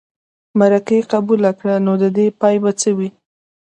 مرکې قبوله کړه نو د دې پای به څه وي.